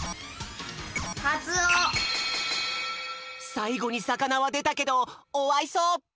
さいごにさかなはでたけどおあいそ！